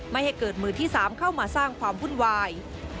ไม่ให้เกิดมือที่๓เข้ามาสร้างความวุ่นวาย